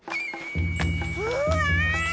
うわ！